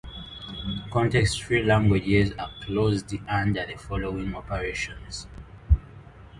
Context-free languages are closed under the following operations.